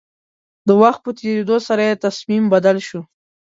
د وخت په تېرېدو سره يې تصميم بدل شو.